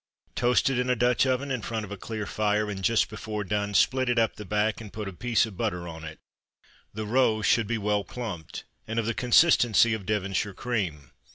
Toast it in a Dutch oven in front of a clear fire, and just before done split it up the back, and put a piece of butter on it. The roe should be well plumped, and of the consistency of Devonshire cream.